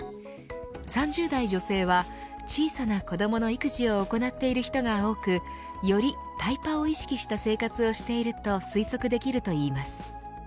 ３０代女性は小さな子どもの育児を行っている人が多くより、タイパを意識した生活をしていると推測できるといいます。